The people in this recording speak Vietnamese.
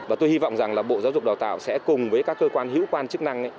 và tôi hy vọng rằng bộ giáo dục đào tạo sẽ cùng với các cơ quan hữu quan chức năng